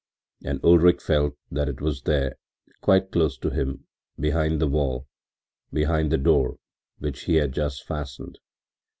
And Ulrich felt that it was there, quite close to him, behind the wall, behind the door which he had just fastened.